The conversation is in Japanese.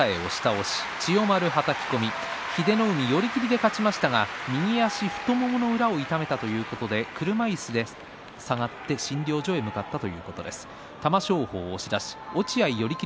英乃海は寄り切りで勝ちましたが右足太ももの裏を痛めたということで車いすで下がって診療所に向かいました。